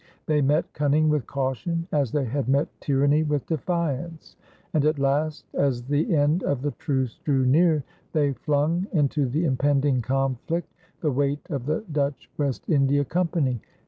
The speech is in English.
They met cunning with caution, as they had met tyranny with defiance, and at last, as the end of the truce drew near, they flung into the impending conflict the weight of the Dutch West India Company.